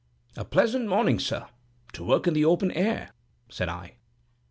"An unpleasant morning, sir, to work in the open air," said I.